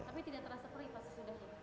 tapi tidak terasa perih pas sesudah itu